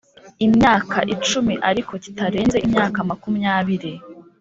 imyaka icumi ariko kitarenze imyaka makumyabiri